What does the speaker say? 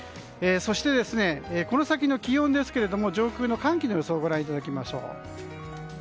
そして、この先の気温ですが上空の寒気の予想をご覧いただきましょう。